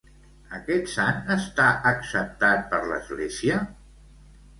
Aquest sant està acceptat per l'Església?